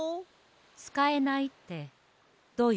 つかえないってどういうこと？